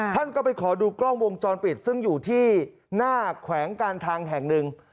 ท่านก็ไปขอดูกล้องวงจรปิดซึ่งอยู่ที่หน้าแขวงการทางแห่งหนึ่ง